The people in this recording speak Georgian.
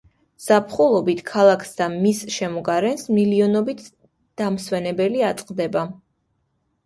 ზაფხულობით ქალაქს და მის შემოგარენს მილიონობით დამსვენებელი აწყდება.